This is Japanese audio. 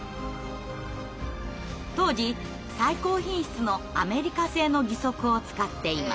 当時最高品質のアメリカ製の義足を使っていました。